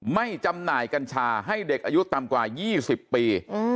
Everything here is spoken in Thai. ไม่จำหน่ายกัญชาให้เด็กอายุต่ำกว่า๒๐ปี